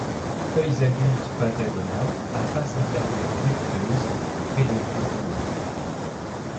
Feuilles adultes pentagonales à face inférieure duveuteuse et pédoncule court.